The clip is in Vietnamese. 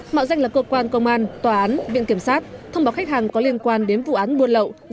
mạo danh là cơ quan công an tòa án viện kiểm sát thông báo khách hàng có liên quan đến vụ án buôn lậu